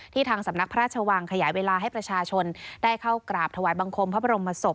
ทางสำนักพระราชวังขยายเวลาให้ประชาชนได้เข้ากราบถวายบังคมพระบรมศพ